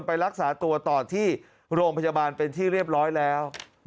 ไปรักษาตัวต่อที่โรงพยาบาลเป็นที่เรียบร้อยแล้ว